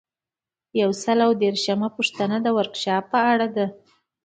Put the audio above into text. یو سل او دیرشمه پوښتنه د ورکشاپ په اړه ده.